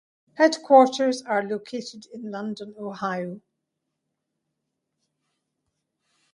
Headquarters are located in London, Ohio.